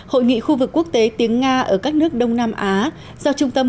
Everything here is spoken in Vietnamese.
hội nghị khu vực quốc tế tiếng nga ở các nước đông nam á